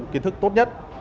kiến thức tốt nhất